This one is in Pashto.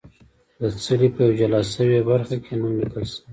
د څلي په یوه جلا شوې برخه کې نوم لیکل شوی.